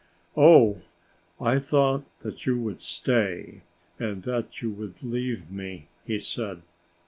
"Oh, I thought that you would stay and that you would leave me," he said.